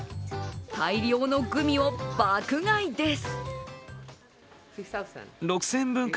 大量のグミを爆買いです。